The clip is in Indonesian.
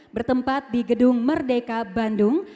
bertempat di gedung merdeka bandung